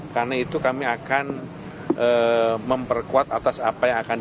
karena itu kami akan memperkuat atas apa yang diakseskan